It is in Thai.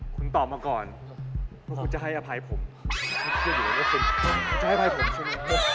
คุณตอบมาก่อนเพราะคุณจะให้อภัยผม